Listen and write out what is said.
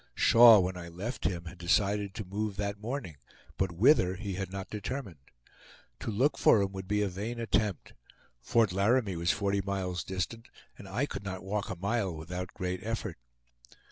Shaw, when I left him had decided to move that morning, but whither he had not determined. To look for him would be a vain attempt. Fort Laramie was forty miles distant, and I could not walk a mile without great effort.